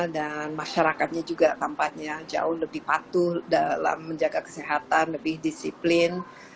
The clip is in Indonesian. dan masyarakatnya juga tampaknya jauh lebih patuh dalam menjaga kesehatan lebih disiplin